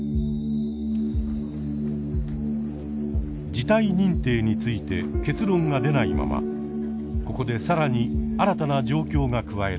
事態認定について結論が出ないままここで更に新たな状況が加えられました。